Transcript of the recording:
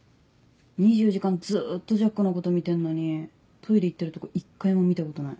２４時間ずっとジャックのこと見てんのにトイレ行ってるとこ一回も見たことない。